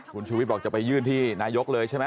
คุณชูวิทย์บอกจะไปยื่นที่นายกเลยใช่ไหม